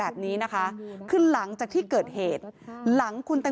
อดีตนักร้องชื่อดังค่ะ